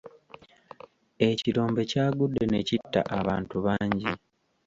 Ekirombe kyagudde ne kitta abantu bangi.